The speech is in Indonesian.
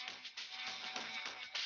nah begitu dong